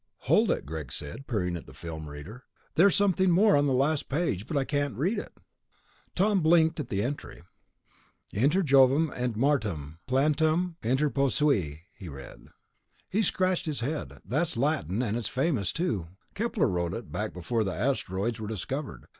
"Hold it," Greg said, peering at the film reader. "There's something more on the last page, but I can't read it." Tom blinked at the entry. "'Inter Jovem et Martem planetam interposui,'" he read. He scratched his head. "That's Latin, and it's famous, too. Kepler wrote it, back before the asteroids were discovered.